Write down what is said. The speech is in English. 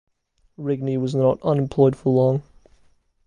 Rigney was not unemployed for long.